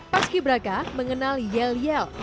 paski braka mengenal yel yel